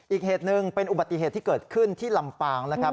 อีกเหตุหนึ่งเป็นอุบัติเหตุที่เกิดขึ้นที่ลำปางนะครับ